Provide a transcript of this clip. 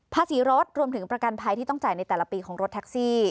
ภาษีรถรวมถึงประกันภัยที่ต้องจ่ายในแต่ละปีของรถแท็กซี่